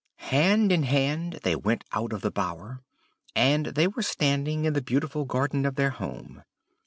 Hand in hand they went out of the bower, and they were standing in the beautiful garden of their home.